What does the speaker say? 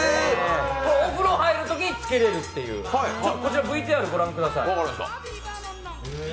お風呂に入るときにつけれるという、ＶＴＲを御覧ください。